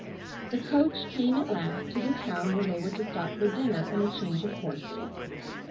The coach came at last to the town where they were to stop for dinner and a change of horses.